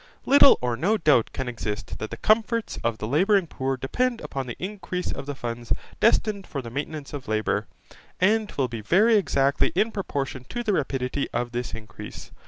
Little or no doubt can exist that the comforts of the labouring poor depend upon the increase of the funds destined for the maintenance of labour, and will be very exactly in proportion to the rapidity of this increase.